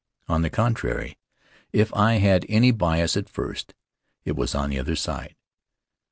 On the contrary, if I had any bias at first, it was on the other side.